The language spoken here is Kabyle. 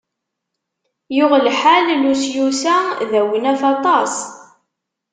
Yuɣ lḥal Lusyus-a d awnaf aṭas.